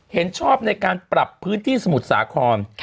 เห็นชอบในการปรับพื้นที่สมุทรสาคร